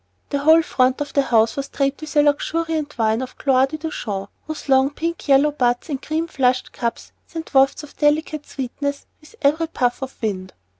The whole front of the house was draped with a luxuriant vine of Gloire de Dijon, whose long, pink yellow buds and cream flushed cups sent wafts of delicate sweetness with every puff of wind.